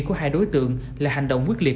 của hai đối tượng là hành động quyết liệt